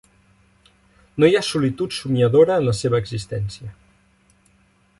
No hi ha solitud somiadora en la seva existència.